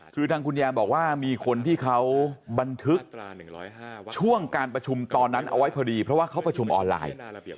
คือทางคุณยายบอกว่ามีคนที่เขาบันทึกช่วงการประชุมตอนนั้นเอาไว้พอดีเพราะว่าเขาประชุมออนไลน์